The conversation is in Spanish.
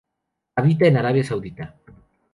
Habita en Arabia Saudita.